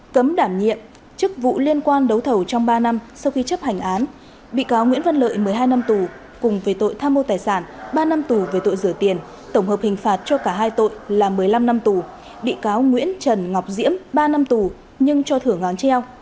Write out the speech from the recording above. cấm đảm nhiệm chức vụ liên quan đấu thầu trong ba năm sau khi chấp hành án bị cáo nguyễn văn lợi một mươi hai năm tù cùng về tội tham mô tài sản ba năm tù về tội rửa tiền tổng hợp hình phạt cho cả hai tội là một mươi năm năm tù bị cáo nguyễn trần ngọc diễm ba năm tù nhưng cho thử ngón treo